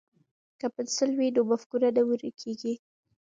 که پنسل وي نو مفکوره نه ورکیږي.